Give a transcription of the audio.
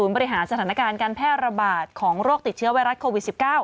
บริหารสถานการณ์การแพร่ระบาดของโรคติดเชื้อไวรัสโควิด๑๙